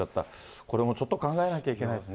これもちょっと考えなきゃいけないですね。